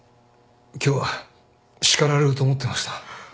今日はしかられると思ってました。